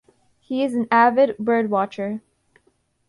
He is an avid birdwatcher.